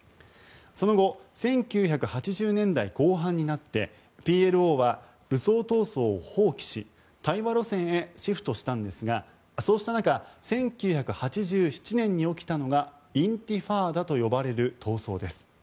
その後１９８０年代後半になってＰＬＯは武装闘争を放棄し対話路線へシフトしたんですがそうした中１９８７年に起きたのがインティファーダと呼ばれる闘争です。